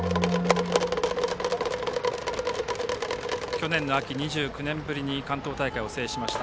去年の秋、２９年ぶりに関東大会を制しました。